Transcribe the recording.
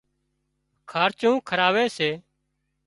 کارچُون راکي سي